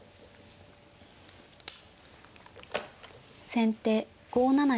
先手５七銀。